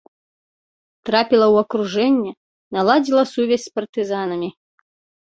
Трапіла ў акружэнне, наладзіла сувязь з партызанамі.